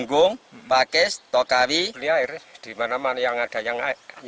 nggak ada pak